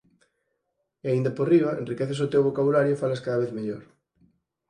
E aínda por riba enriqueces o teu vocabulario e falas cada vez mellor.